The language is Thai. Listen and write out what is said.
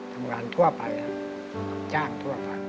ทำงานทั่วไปรับจ้างทั่วไป